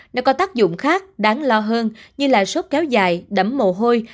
nó có tác dụng khác đáng lo hơn như là sốt kéo dài đấm mồ hôi